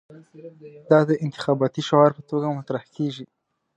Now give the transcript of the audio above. دا د انتخاباتي شعار په توګه مطرح کېږي.